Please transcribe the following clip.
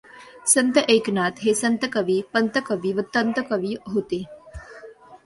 संत एकनाथ हे संतकवी, पंतकवी व तंतकवी होते.